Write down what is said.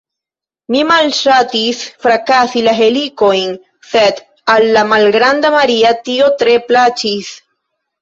Mi malŝatis frakasi la helikojn, sed al la malgranda Maria tio tre plaĉis.